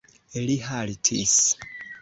Li haltis.